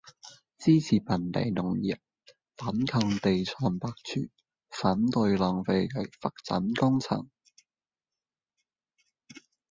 支持本地農業，反抗地產霸權，反對浪費嘅發展工程